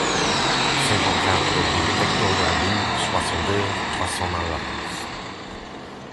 cinquante-quatre rue Hector Laloux, soixante-deux, trois cents à Lens